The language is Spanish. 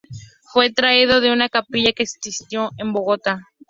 Fue traído de una capilla que existió en Bogotá.